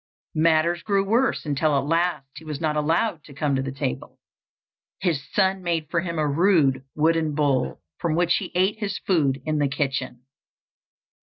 Matters grew worse until at last he was not allowed to come to the table. His son made for him a rude wooden bowl, from which he ate his food in the kitchen.